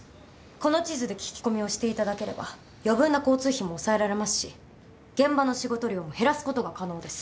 この地図で聞き込みをしていただければ余分な交通費も抑えられますし現場の仕事量も減らすことが可能です。